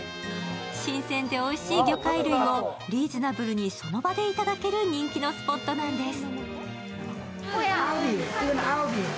新鮮でおいしい魚介類をリーズナブルにその場でいただける人気のスポットなんです。